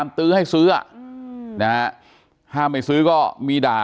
อ๋อเจ้าสีสุข่าวของสิ้นพอได้ด้วย